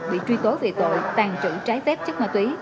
bị truy tố về tội tàng trữ trái phép chất ma túy